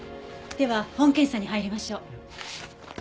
では本検査に入りましょう。